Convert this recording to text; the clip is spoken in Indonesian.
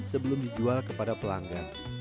sebelum dijual kepada pelanggan